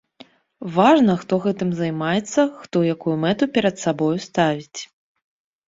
Важна, хто гэтым займаецца, хто якую мэту перад сабою ставіць.